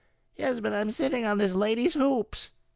" Yes, but I'm sitting on this lady's hoops."